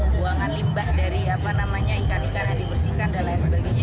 buangan limbah dari apa namanya ikan ikan yang dibersihkan dan lain sebagainya